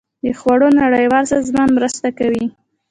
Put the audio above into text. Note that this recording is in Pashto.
د خوړو نړیوال سازمان مرسته کوي.